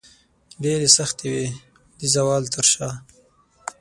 ډیرې سختې وې د زوال تر شاه